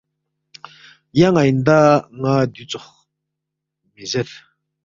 ینگ آئِندہ ن٘ا دیُو ژوخ مِہ زیر